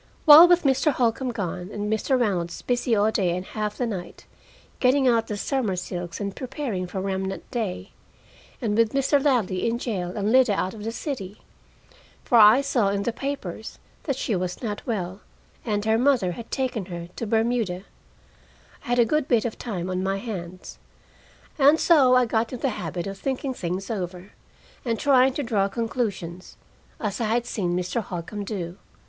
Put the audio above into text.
Well, with Mr. Holcombe gone, and Mr. Reynolds busy all day and half the night getting out the summer silks and preparing for remnant day, and with Mr. Ladley in jail and Lida out of the city for I saw in the papers that she was not well, and her mother had taken her to Bermuda I had a good bit of time on my hands. And so I got in the habit of thinking things over, and trying to draw conclusions, as I had seen Mr. Holcombe do.